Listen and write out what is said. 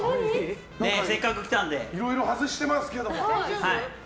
いろいろ外してますけど。